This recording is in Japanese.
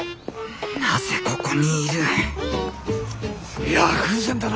なぜここにいるいや偶然だな。